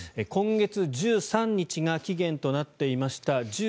今月１３日が期限となっていました